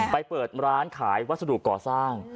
ไปเปิดร้านขายวัสดุก่อสร้าง